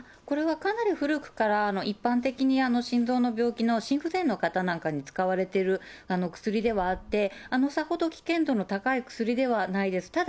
これはかなり古くから、一般的に心臓の病気の心不全の方なんかに使われている薬ではあって、さほど危険度の高い薬ではないです。